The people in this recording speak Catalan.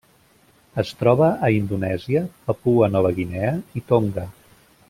Es troba a Indonèsia, Papua Nova Guinea i Tonga.